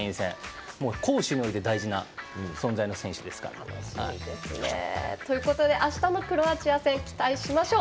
攻守において大事な存在の選手ですから。ということであしたのクロアチア戦期待しましょう。